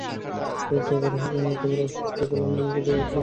গ্রেপ্তার করা হবে, এমন খবর আসতে শুরু করলে আমরা নিরাপদ জায়গায় গেলাম।